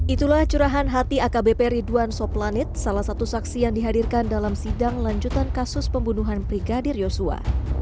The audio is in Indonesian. itulah curahan hati akbp ridwan soplanit salah satu saksi yang dihadirkan dalam sidang lanjutan kasus pembunuhan brigadir yosua